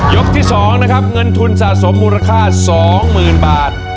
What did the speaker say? ยกที่สองนะครับเงินทุนสะสมมูลค่าสองหมื่นบาท